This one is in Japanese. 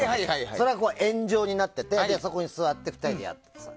それが円状になっててそこに座って２人でやるっていうやつ。